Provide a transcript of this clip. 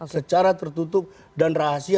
secara tertutup dan rahasia